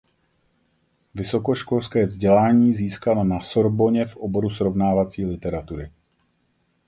Vysokoškolské vzdělání získala na Sorbonně v oboru srovnávací literatury.